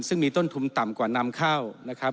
ซึ่งมีต้นทุนต่ำกว่านำเข้านะครับ